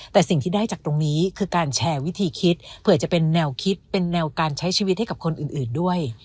แต่สิ่งที่ได้จากตรงนี้คือการแชร์วิธีคิดเผื่อจะเป็นแนวคิดเป็นแนวการใช้ชีวิตให้กับคนอื่นด้วย